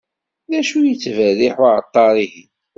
D acu yettberriḥ uεeṭṭar-ihin?